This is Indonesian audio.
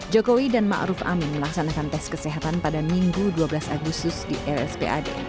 jokowi dan ma'ruf amin melaksanakan tes kesehatan pada minggu dua belas agustus di rspad